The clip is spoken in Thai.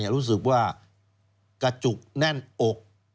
รู้สึกว่ากระจุกแน่นอก